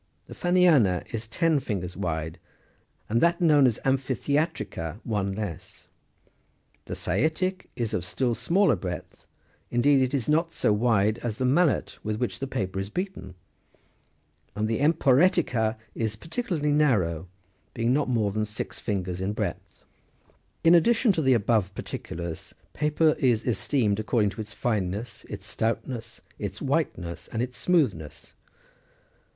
The Eanniana is ten fingers wide, and that known as " amphitheatrica," one less. The Saitic is of still smaller breadth, indeed it is not so wide as the mallet with which the paper is beaten ; and the emporetica is particularly narrow, being not more than six fingers in breadth. In addition to the above particulars, paper is esteemed according to its fineness, its stoutness, its whiteness, and its smoothness.